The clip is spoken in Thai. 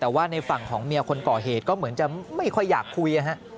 แต่ว่าในฝั่งของเมียคนก่อเหตุก็เหมือนจะไม่ค่อยอยากคุย